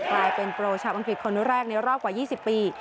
กลายเป็นโปรชาวอังกฤษคนแรกในรอบกว่า๒๐ปี